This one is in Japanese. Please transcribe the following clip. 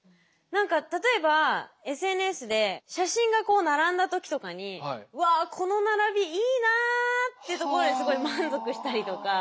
何か例えばＳＮＳで写真がこう並んだ時とかに「わこの並びいいな」ってところですごい満足したりとか。